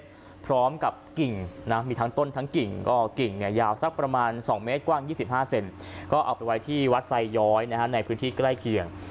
หมู่๑๐ตะบลโพทองอำเภอปางสิราทองที่กำแพงเพชรพร้อมกับกิ่งนะมีทั้งต้นทั้งกิ่งก็กิ่งเนี่ยยาวสักประมาณสองเมตรกว้าง๒๕เซนติเซนติก็เอาไปไว้ที่วัดไซยอยในภูมิที่ใกล้เคียง